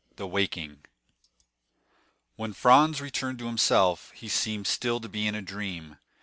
The Waking When Franz returned to himself, he seemed still to be in a dream.